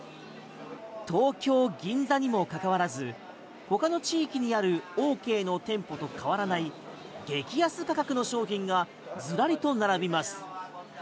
東京・銀座にもかかわらず他の地域にあるオーケーの店舗と変わらない激安価格の商品がずらりと並びます。